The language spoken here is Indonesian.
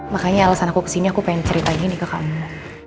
makanya alasan aku kesini aku pengen cerita gini ke kamu